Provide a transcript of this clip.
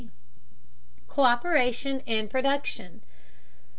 COÍPERATION IN PRODUCTION.